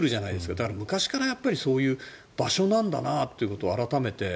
だから、昔からそういう場所なんだなというのを改めて。